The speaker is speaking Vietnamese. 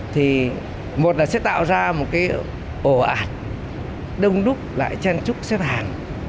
thì một là sẽ tạo ra một cái ổ ạt đông đúc lại chen trúc xếp hàng